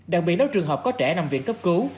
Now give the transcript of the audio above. đặc biệt nếu trường hợp có trẻ nằm viện cấp cứu